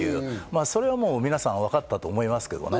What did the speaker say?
それは皆さん、わかったと思いますけどね。